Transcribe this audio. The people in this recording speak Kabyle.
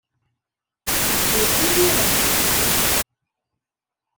Ddu imir-a.